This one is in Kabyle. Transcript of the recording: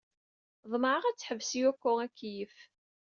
Ḍemɛeɣ ad teḥbes Yoko akeyyef.